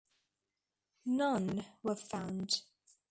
None were found.